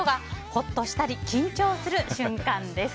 ほっとしたり緊張する瞬間です。